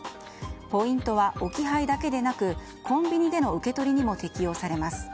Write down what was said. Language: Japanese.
ポイントは置き配だけでなくコンビニの受け取りにも適用されます。